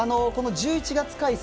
１１月開催